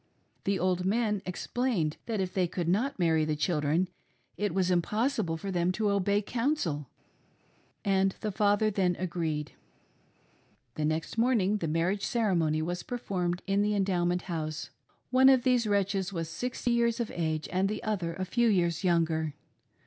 The old men explained that if they could not marry the children it was impossible for them to "obey counsel," and the father then agreed. The next morning the marriage ceremony was performed in the Endowment House. One of these wretches was sixty years of age, and the other a few years younger.